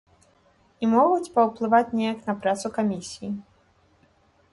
І могуць паўплываць неяк на працу камісіі.